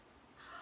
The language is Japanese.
あ！